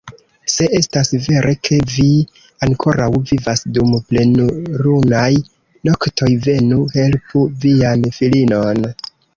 Se estas vere ke vi ankoraŭ vivas dum plenlunaj noktoj, venu, helpu vian filinon!